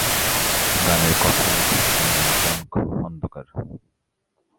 গানের কথা লিখেছেন মিল্টন খন্দকার।